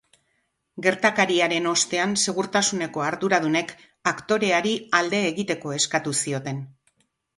Gertakariaren ostean, segurtasuneko arduradunek aktoreari alde egiteko eskatu zioten.